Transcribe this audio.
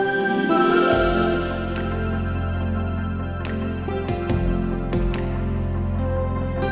terima kasih ya